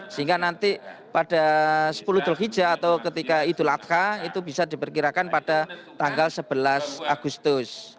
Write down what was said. sehingga nanti pada sepuluh julhijjah atau ketika idul adha itu bisa diperkirakan pada tanggal sebelas agustus